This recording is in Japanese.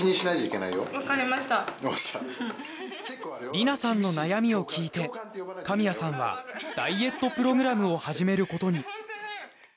梨菜さんの悩みを聞いて神谷さんはダイエットプログラムを始める事に。